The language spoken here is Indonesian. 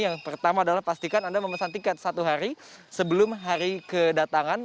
yang pertama adalah pastikan anda memesan tiket satu hari sebelum hari kedatangan